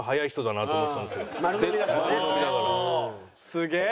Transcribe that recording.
すげえ。